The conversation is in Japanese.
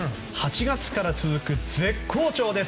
８月から続く絶好調です。